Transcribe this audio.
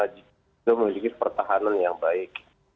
kita memiliki pertahanan yang baik